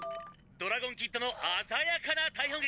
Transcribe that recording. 「ドラゴンキッドの鮮やかな逮捕劇！